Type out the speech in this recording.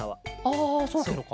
あそうケロか。